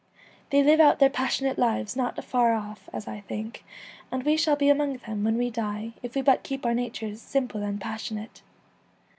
They live out their passionate lives not far off, as I think, and we shall be among them when we die if we but keep our natures simple and passionate.